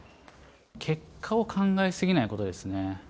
結果を考えすぎないことですね。